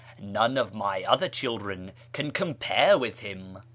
None of my other children can compare with him."